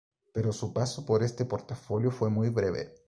Pero su paso por este portafolio fue muy breve.